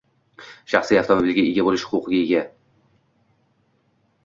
Shaxsiy avtomobiliga ega bo’lish huquqiga ega.